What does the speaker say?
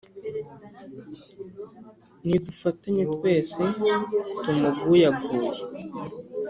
Nidufatanye twese tumuguyaguye